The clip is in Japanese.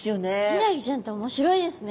ヒイラギちゃんって面白いですね。